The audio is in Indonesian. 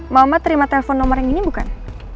mama terima telepon nomor yang ini bukan